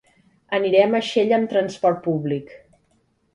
Anirem a Xella amb transport públic.